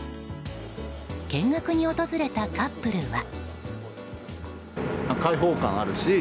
見学に訪れたカップルは。